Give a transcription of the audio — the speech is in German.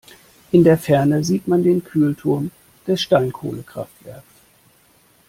In der Ferne sieht man den Kühlturm des Steinkohlekraftwerks.